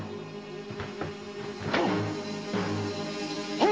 あっ⁉